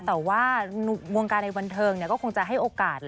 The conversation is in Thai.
แต่ว่าวงการในบันเทิงก็คงจะให้โอกาส